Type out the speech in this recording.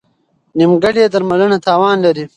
نیمګړې درملنه تاوان لري.